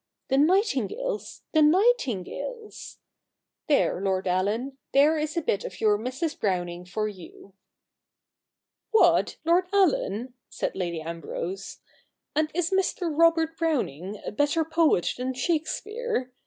The nightin gales, the nightingales !" There, Lord Allen, there is a bit of your Mrs. Browning for you.' ' What, Lord Allen ?' said Lady Ambrose, ' and is Mr. Robert Browning a better poet than Shakespeare